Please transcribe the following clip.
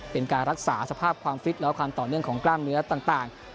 เป็นการรักษาสภาพความฟิตและความต่อเนื่องของกล้ามเนื้อต่าง